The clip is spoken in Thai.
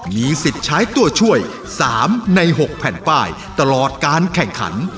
มีสิทธิ์ใช้ตัวช่วย๓ใน๖แผ่นป้ายตลอดการแข่งขัน